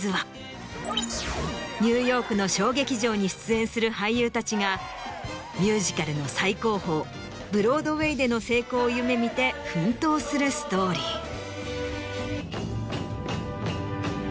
ニューヨークの小劇場に出演する俳優たちがミュージカルの最高峰ブロードウェイでの成功を夢見て奮闘するストーリー。